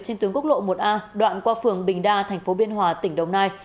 trên tuyến quốc lộ một a đoạn qua phường bình đa thành phố biên hòa tỉnh đồng nai